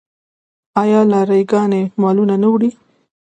آیا لاری ګانې مالونه نه وړي؟